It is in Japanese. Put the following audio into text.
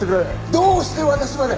どうして私まで！